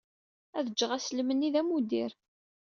Ad jjeɣ aslem-nni d amuddir.